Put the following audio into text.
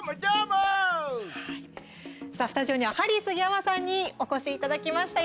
さあ、スタジオにはハリー杉山さんにお越しいただきました。